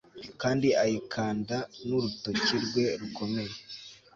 Kandi ayikanda nurutoki rwe rukomeye